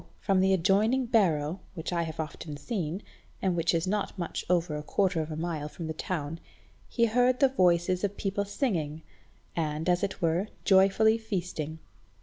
from the adjoining barrow, which I have often seen, and which is not much over a quarter of a mile from the town, he heard the voices of people singing, and, as it were, joyfully feasting.